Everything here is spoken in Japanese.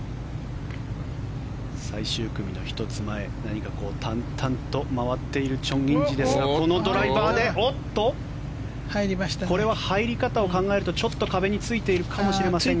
最終組の１つ前何か淡々と回っているチョン・インジですがこのドライバーでこれは入り方を考えるとちょっと壁についているかもしれません。